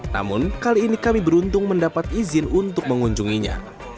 namun kali ini kami beruntung mendapat izin untuk mengunjunginya